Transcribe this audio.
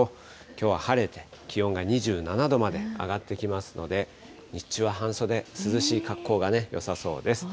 きょうは晴れて、気温が２７度まで上がってきますので、日中は半袖、涼しい格好がよさそうです。